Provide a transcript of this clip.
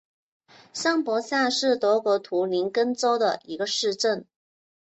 上伯萨是德国图林根州的一个市镇。